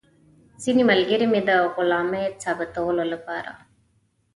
ځینې ملګري مې د غلامۍ ثابتولو لپاره.